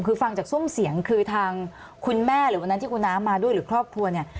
คือฟังจากซุ่มเสียงคือทางคุณแม่หรือวันนั้นที่คุณน้ำมาด้วยหรือครอบครัวเนี่ย